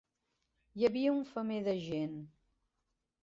Hi havia un femer de gent.